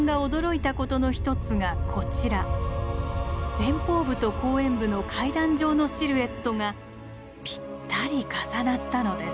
前方部と後円部の階段状のシルエットがぴったり重なったのです。